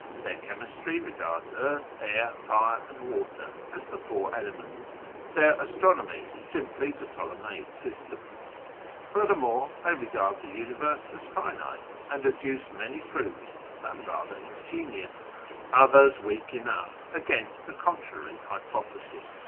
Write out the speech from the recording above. Their chemistry regards earth, air, fire, and water as the four elements : their astronomy is simply the Ptolemaic j system. Furthermore they regard the Universe as finite, and 144 A YEAR AMONGST THE PERSIANS adduce many proofs, some rather ingenious, others weak enon<,fli, against the contrary hypothesis.